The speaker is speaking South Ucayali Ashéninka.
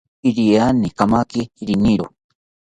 Iriani kamaki riniro